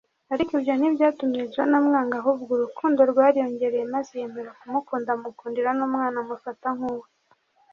ariko ibyo ntibyatumye John amwanga ahubwo urukundo rwariyongereye maze yemera kumukunda amukundira n’umwana amufata nk’uwe